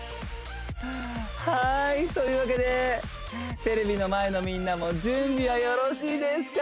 はいというわけでテレビの前のみんなも準備はよろしいですか？